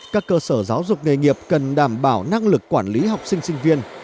các cơ sở giáo dục nghề nghiệp cần đảm bảo năng lực quản lý học sinh sinh viên